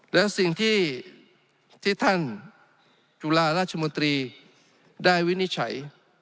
และสิ่งที่ท่านจุฬาราชมนตรีได้วินิจฉัย